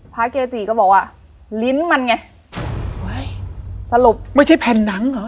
เกจิก็บอกว่าลิ้นมันไงว้ายสรุปไม่ใช่แผ่นหนังเหรอ